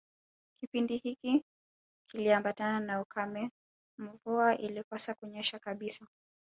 Kipindi hiki kiliambatana na ukame Mvua ilikosa kunyesha kabisa